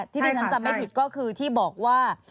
ที่ที่ฉันจำไม่ผิดก็คือที่บอกว่า